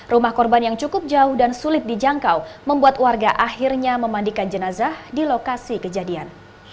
rumah korban yang cukup jauh dan sulit dijangkau membuat warga akhirnya memandikan jenazah di lokasi kejadian